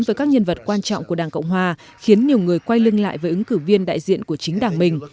với các nhân vật quan trọng của đảng cộng hòa khiến nhiều người quay lưng lại với ứng cử viên đại diện của chính đảng mình